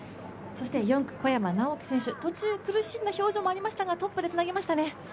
４区、小山直城選手、途中苦しんだ表情もありましたがトップでつなぎましたね。